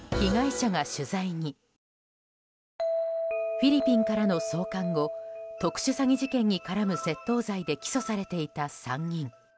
フィリピンからの送還後特殊詐欺事件に絡む窃盗罪で起訴されていた３人。